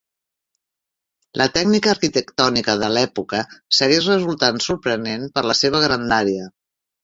La tècnica arquitectònica de l'època segueix resultant sorprenent per la seva grandària.